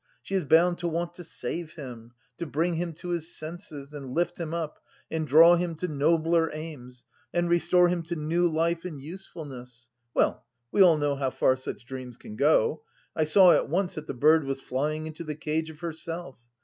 She is bound to want to 'save him,' to bring him to his senses, and lift him up and draw him to nobler aims, and restore him to new life and usefulness well, we all know how far such dreams can go. I saw at once that the bird was flying into the cage of herself.